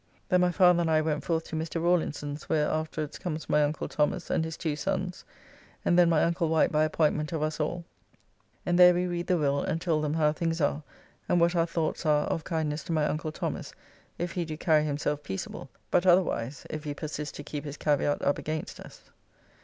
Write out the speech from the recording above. Then my father and I went forth to Mr. Rawlinson's, where afterwards comes my uncle Thomas and his two sons, and then my uncle Wight by appointment of us all, and there we read the will and told them how things are, and what our thoughts are of kindness to my uncle Thomas if he do carry himself peaceable, but otherwise if he persist to keep his caveat up against us.